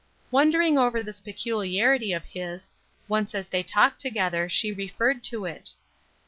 Wondering over this peculiarity of his, once as they talked together she referred to it.